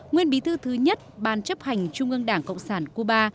nguyên bí thư thứ nhất ban chấp hành trung ương đảng cộng sản cuba